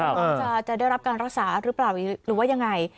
หวังจะได้รับการรักษาหรือเปล่าหรือว่ายังไง